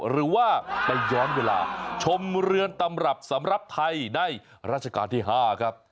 หรือว่าไปย้อนเวลาชมเรือนตำรับสำหรับไทยในราชการที่๕ครับ